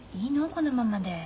このままで。